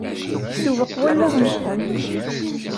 Isewweq wallaɣ-nkent.